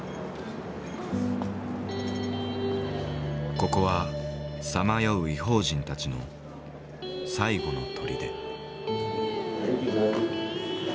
ここはさまよう異邦人たちの最後のとりで。